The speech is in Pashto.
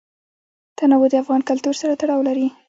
تنوع د افغان کلتور سره تړاو لري.